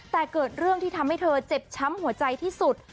แต่เกิดเรื่องที่ทำให้เธอเจ็บช้ำหัวใจที่สุด